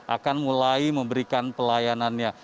akan mulai memberikan pelayanannya